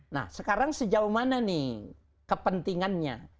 nah sekarang sejauh mana nih kepentingannya